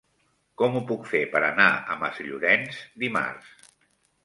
Com ho puc fer per anar a Masllorenç dimarts?